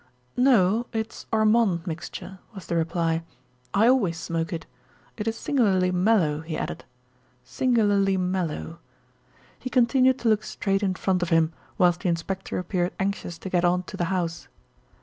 "No; it's Ormonde Mixture," was the reply. "I always smoke it. It is singularly mellow," he added, "singularly mellow." He continued to look straight in front of him, whilst the inspector appeared anxious to get on to the house.